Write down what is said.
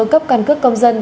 cấp căn cứ công dân